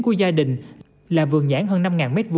của gia đình là vườn nhãn hơn năm m hai